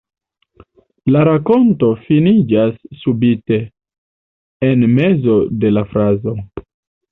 La rakonto finiĝas subite, en mezo de la frazo.